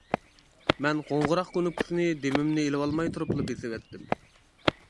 مەن قوڭغۇراق كۇنۇپكىسىنى دېمىمنى ئېلىۋالماي تۇرۇپلا بېسىۋەتتىم.